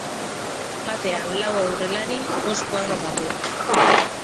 Batean lau aurrelari bost kuadro barruan.